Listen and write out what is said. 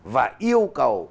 và yêu cầu